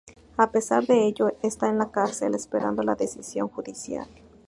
A pesar de ello está en la cárcel esperando la decisión judicial.